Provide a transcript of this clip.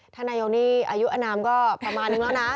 อะอัธธนายกนี้อายุอนามก็ประมาณนึงเกินแล้วน่ะ